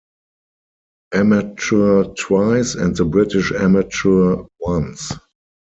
Amateur twice, and the British Amateur once.